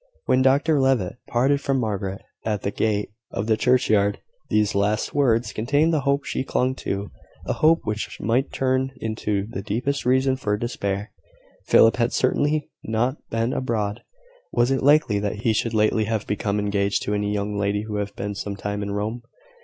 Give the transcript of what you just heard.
When Dr Levitt parted from Margaret at the gate of the churchyard, these last words contained the hope she clung to a hope which might turn into the deepest reason for despair. Philip had certainly not been abroad. Was it likely that he should lately have become engaged to any young lady who had been some time in Rome?